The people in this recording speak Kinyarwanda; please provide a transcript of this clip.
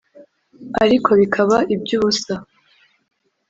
ariko bikaba iby’ubusa,